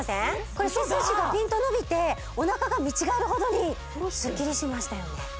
これ背筋がピンと伸びておなかが見違えるほどにスッキリしましたよね